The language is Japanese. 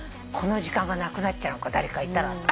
この時間がなくなっちゃうのか誰かいたら。